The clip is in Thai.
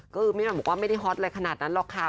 คือแม่มบอกว่าไม่ได้ฮอตอะไรขนาดนั้นหรอกค่ะ